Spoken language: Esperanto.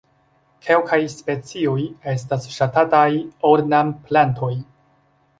Kelkaj specioj estas ŝatataj ornamplantoj.